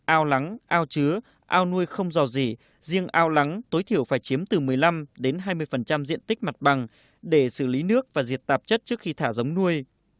ao lắng ao chứa ao nuôi không dò dỉ riêng ao lắng tối thiểu phải chiếm từ một mươi năm đến hai mươi diện tích mặt bằng để xử lý nước và diệt tạp chất trước khi thả giống nuôi